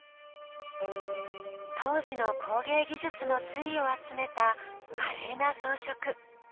当時の工芸技術の粋を集めた華麗な装飾。